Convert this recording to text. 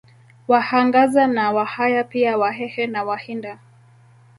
Wahangaza na Wahaya pia Wahehe na Wahinda